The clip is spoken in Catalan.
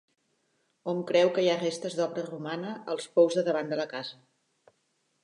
Hom creu que hi ha restes d'obra romana als pous de davant de la casa.